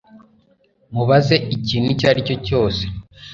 Mubaze ikintu icyo ari cyo cyose